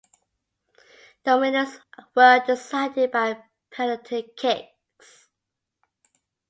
The winners were decided by penalty kicks.